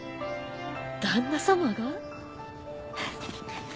旦那様が？